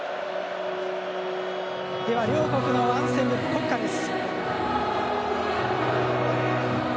両国のアンセム、国歌です。